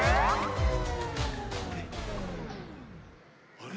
あれ？